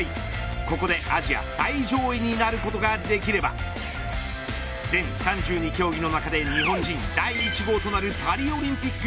ここでアジア最上位になることができれば全３２競技の中で日本人第１号となるパリオリンピック